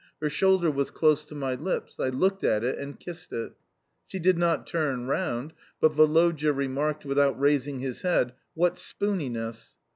Her shoulder was close to my lips, I looked at it and kissed it. She did not turn round, but Woloda remarked without raising his head, "What spooniness!"